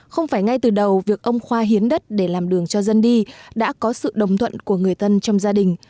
không phải ngay từ đầu việc ông khoa hiến đất để làm đường cho dân đi đã có sự đồng thuận của người thân trong gia đình